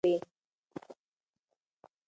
ښوونه د خلکو ترمنځ د درناوي او زغم احساس پیاوړی کوي.